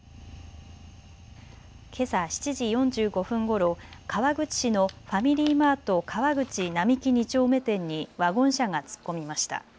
けさ７時４５分ごろ、川口市のファミリーマート川口並木二丁目店にワゴン車が突っ込みました。